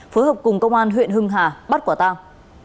phối hợp cùng công an huyện hưng hà bắt quả tang